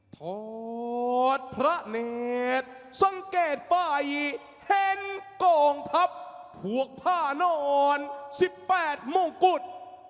ถอดพระเนธสังเกตไปเห็นกองทัพผวกผ้านอน๑๘มงกุฎ